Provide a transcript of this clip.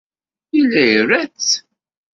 Yella ira-tt.